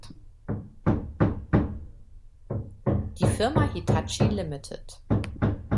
Die Firma Hitachi Ltd.